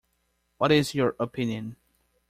What is your opinion?